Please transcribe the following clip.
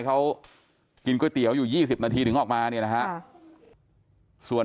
เขากินก๋วยเตี๋ยวอยู่๒๐นาทีถึงออกมาเนี่ยนะฮะส่วน